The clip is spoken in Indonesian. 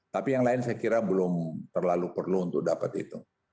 tapi yang lain saya kira belum terlalu perlu untuk dapat itu